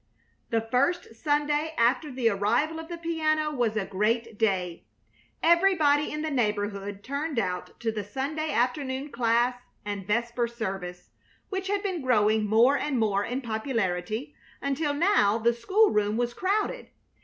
The first Sunday after the arrival of the piano was a great day. Everybody in the neighborhood turned out to the Sunday afternoon class and vesper service, which had been growing more and more in popularity, until now the school room was crowded.